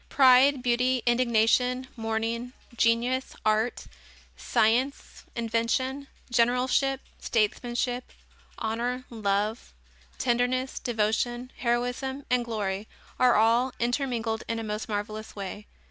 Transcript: Pride, beauty, indignation, mourning, genius, art, science, invention, generalship, statesmanship, honor, love, tenderness, devotion, heroism and glory are all intermingled in a most marvelous way.